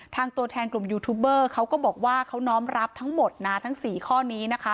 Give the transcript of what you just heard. ตัวแทนกลุ่มยูทูบเบอร์เขาก็บอกว่าเขาน้อมรับทั้งหมดนะทั้ง๔ข้อนี้นะคะ